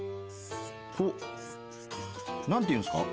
こう何ていうんですか。